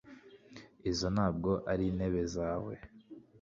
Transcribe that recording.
izo ntabwo arintebe zawe